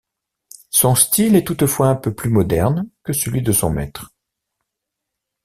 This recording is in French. Son style est toutefois un peu plus moderne que celui de son maître.